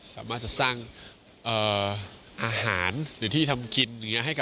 สามารถจะสร้างอาหารหรือที่ทำกินอย่างนี้